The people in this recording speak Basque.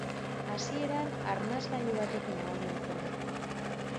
Hasieran arnasgailu batekin egon nintzen.